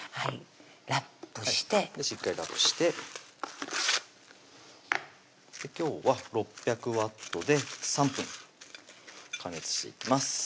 ラップしてしっかりラップして今日は６００Ｗで３分加熱していきます